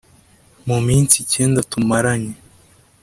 mu minsi icyenda tumaranye